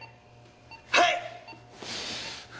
はい！